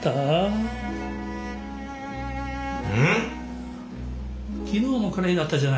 うん？